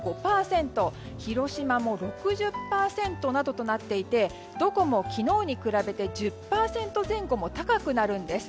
広島も６０％などとなっていてどこも昨日に比べて１０％前後も高くなるんです。